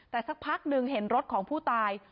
แต่สักพักหนึ่งเห็นรถของผู้ตาย